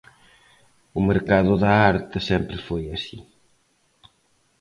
O mercado da arte sempre foi así.